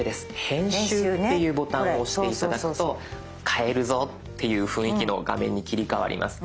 編集っていうボタンを押して頂くと変えるぞっていう雰囲気の画面に切り替わります。